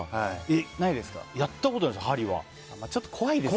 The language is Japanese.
やったことないです、はりは。